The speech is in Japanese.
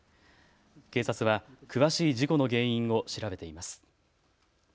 警察は詳しい事故の原因を調べています。